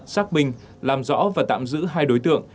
xác minh làm rõ và tạm giữ hai đối tượng